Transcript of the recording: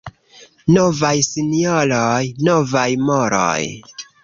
Novaj sinjoroj, — novaj moroj.